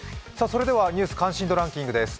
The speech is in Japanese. ニュース関心度ランキングです。